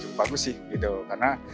cukup bagus sih gitu karena